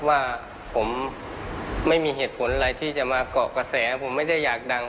ว่าผมไม่มีเหตุผลอะไรที่จะมาเกาะกระแสผมไม่ได้อยากดัง